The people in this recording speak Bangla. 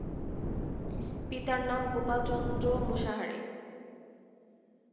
পিতার নাম গোপাল চন্দ্র মুসাহারি।